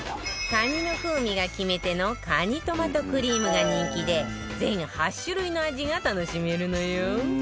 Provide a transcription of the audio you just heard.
カニの風味が決め手のかにトマトクリームが人気で全８種類の味が楽しめるのよ